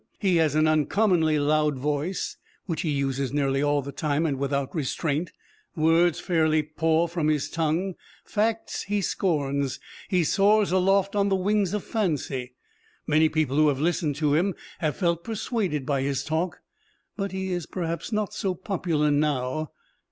He has an uncommonly loud voice, which he uses nearly all the time and without restraint. Words fairly pour from his tongue. Facts he scorns. He soars aloft on the wings of fancy. Many people who have listened to him have felt persuaded by his talk, but he is perhaps not so popular now."